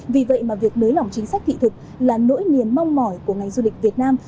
vì vậy mà việc nới lỏng chính sách thị thực là nỗi niềm mong mỏi của ngành du lịch việt nam